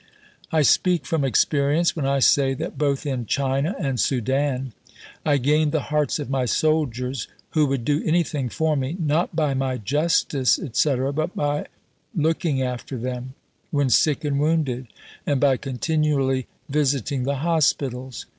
I speak from experience when I say that both in China and Soudan, I gained the hearts of my soldiers (who would do anything for me) not by my justice, &c., but by looking after them when sick and wounded, and by continually visiting the Hospitals....